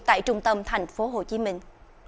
tại trung tâm thành phố hồ chí minh